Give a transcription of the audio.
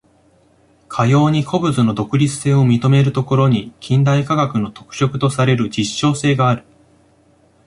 かように個物の独立性を認めるところに、近代科学の特色とされる実証性がある。